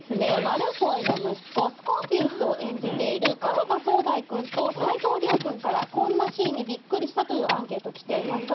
マルフォイの息子スコーピウスを演じている門田宗大くんと斉藤莉生くんからこんなシーンにびっくりしたというアンケートきています